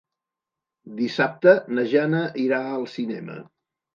Dissabte na Jana irà al cinema.